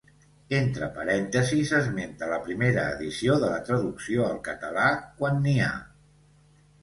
Entre parèntesis s'esmenta la primera edició de la traducció al català, quan n'hi ha.